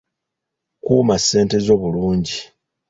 Kuuma ssente zo bulungi.